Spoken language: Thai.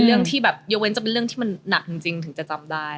เยอะเว้นจะเป็นเรื่องที่หนักจริงถึงจะจำได้